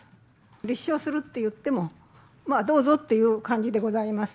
立証するっていっても、まあ、どうぞっていう感じでございます。